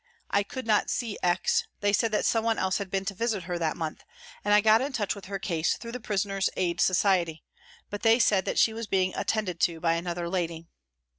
I could not see X. ; they said that someone else had been to visit her that month. I got in touch with her case through the Prisoners' Aid Society but they said that she was being " attended to " by another lady.